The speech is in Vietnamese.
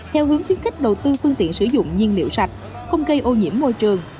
theo hướng khuyến khích đầu tư phương tiện sử dụng nhiên liệu sạch không gây ô nhiễm môi trường